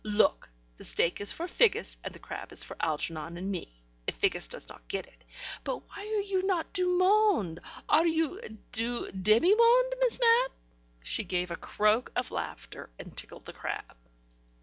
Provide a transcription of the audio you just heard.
Look, the steak is for Figgis, and the crab is for Algernon and me, if Figgis does not get it. But why are you not du monde? Are you du demi monde. Miss Mapp?" She gave a croak of laughter and tickled the crab.